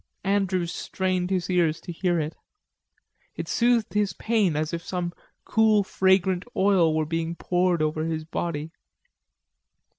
Andrews strained his ears to hear it. It soothed his pain as if some cool fragrant oil were being poured over his body.